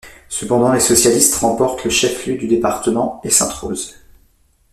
Cependant, les socialistes remportent le chef-lieu du département et Sainte-Rose.